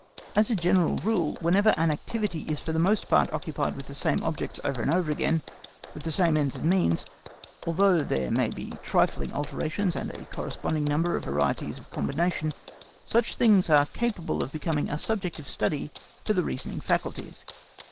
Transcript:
As a general rule, whenever an activity is for the most part occupied with the same objects over and over again, with the same ends and means, although there may be trifling alterations and a corresponding number of varieties of combination, such things are capable of becoming a subject of study for the reasoning faculties.